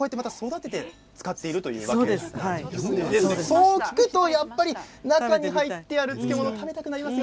そう聞くとやっぱり中に入ってある漬物を食べたくなります。